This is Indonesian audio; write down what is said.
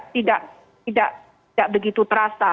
tidak begitu terasa